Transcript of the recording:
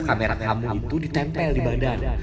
kamera tamu itu ditempel di badan